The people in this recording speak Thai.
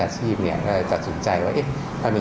ทีมแพทย์และทีมศาสตร์สาขาวิทยาชีพ